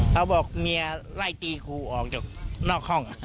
เขาบอกเมียไล่ตีครูออกจากนอกห้อง